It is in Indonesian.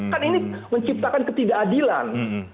kan ini menciptakan ketidakadilan